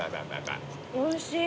おいしい。